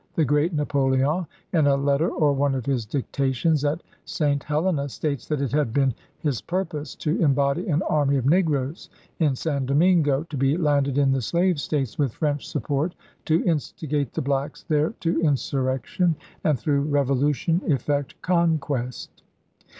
The great Napoleon, in a letter or one of his dictations at St. Helena, states that it had been his purpose to embody an army of negroes in San Domingo, to be landed in the slave States with French support to instigate the blacks there to in surrection, and through revolution effect conquest.